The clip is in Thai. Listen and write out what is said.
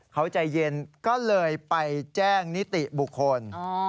เขาใจเย็นก็เลยไปแจ้งนิติบุคคล